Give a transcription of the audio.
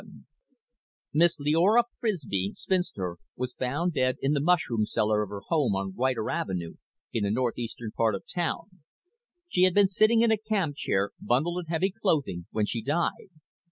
VII Miss Leora Frisbie, spinster, was found dead in the mushroom cellar of her home on Ryder Avenue in the northeastern part of town. She had been sitting in a camp chair, bundled in heavy clothing, when she died.